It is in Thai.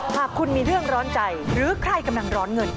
หากคุณมีเรื่องร้อนใจหรือใครกำลังร้อนเงิน